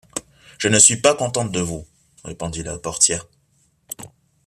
Je ne suis pas contente de vous, répondit la portière.